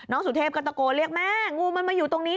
สุเทพก็ตะโกนเรียกแม่งูมันมาอยู่ตรงนี้